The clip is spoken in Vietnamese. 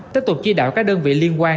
tiếp tục chia đảo các đơn vị liên quan